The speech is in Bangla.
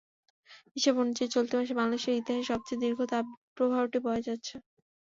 হিসাব অনুযায়ী চলতি মাসে বাংলাদেশের ইতিহাসে সবচেয়ে দীর্ঘ তাপপ্রবাহটি বয়ে যাচ্ছে।